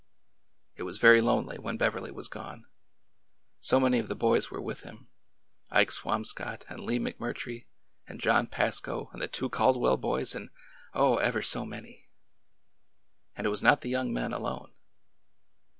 It was very lonely when Beverly was gone. So many of the boys were with him — Ike Swamscott and Lee Mc Murtrie and John Pasco and the two Caldwell boys and — oh, ever so many! And it was not the young men alone.